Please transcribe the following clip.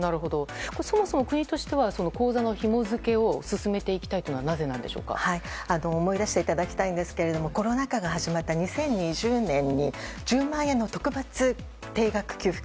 そもそも国としては口座のひも付けを進めていきたいのは思い出していただきたいんですがコロナ禍が始まった２０２０年に１０万円の特別定額給付金